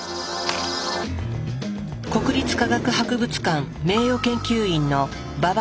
国立科学博物館名誉研究員の馬場